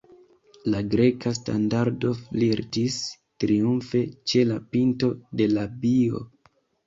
La Greka standardo flirtis triumfe ĉe la pinto de l' abio.